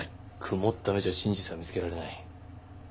曇った目じゃ真実は見つけられない。